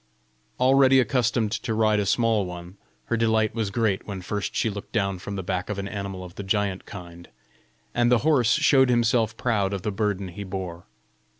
Already accustomed to ride a small one, her delight was great when first she looked down from the back of an animal of the giant kind; and the horse showed himself proud of the burden he bore.